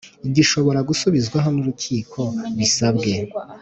Gishobora gusubirwaho n urukiko bisabwe